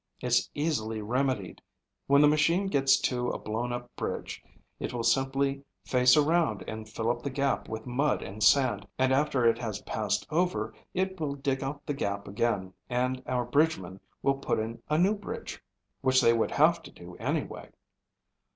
"It's easily remedied. When the machine gets to a blown up bridge it will simply face around and fill up the gap with mud and sand, and after it has passed over it will dig out the gap again and our bridgemen will put in a new bridge, which they would have to do anyway."